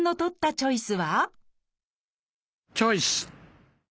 チョイス！